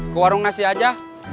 ke warung nasi aja